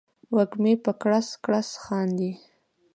وږمې په کړس، کړس خاندي